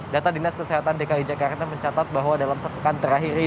data dinas kesehatan dki jakarta mencatat bahwa dalam sepekan terakhir ini